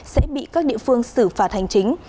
sẽ bị các địa phương xử phạt hành chính